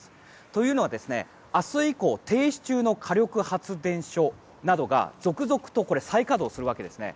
というのは明日以降停止中の火力発電所などが続々と再稼働するわけですね。